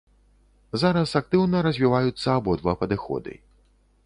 Зараз актыўна развіваюцца абодва падыходы.